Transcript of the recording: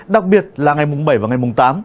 đặc biệt là ngày mùng bảy và ngày mùng tám